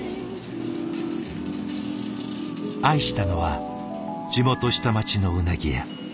愛したのは地元下町のうなぎ屋。